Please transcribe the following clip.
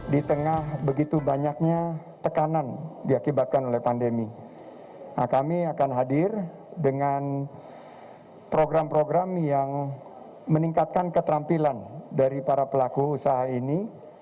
di tengah begitu banyaknya tekanan diakibatkan oleh pandemi kami akan hadir dengan program program yang meningkatkan keterampilan dari para pelaku usaha ini